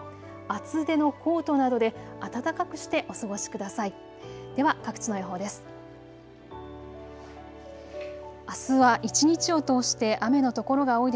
厚手のコートなどで暖かくしてお過ごしください。